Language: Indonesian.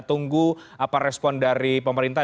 tunggu apa respon dari pemerintah